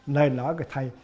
lời nói của thầy